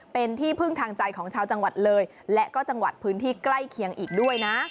เป็นที่พึ่งทางใจของชาวจังหวัดเลยและก็จังหวัดพื้นที่ใกล้เคียงอีกด้วยนะ